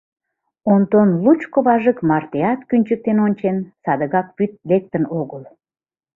Онтон лучко важык мартеат кӱнчыктен ончен, садыгак вӱд лектын огыл...